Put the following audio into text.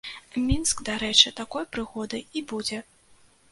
Мінск, дарэчы, такой прыгодай і будзе.